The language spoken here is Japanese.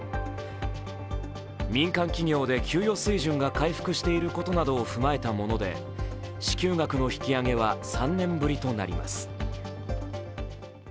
民間企業で給与水準が回復していることを踏まえたもので支給額の引き上げは３年ぶりとなります。